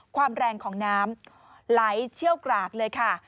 ความแรงของน้ำไหลเชี่ยวกรากเลยค่ะ